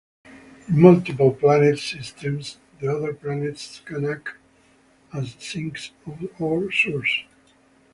In multiple planet systems the other planets can act as sinks or sources.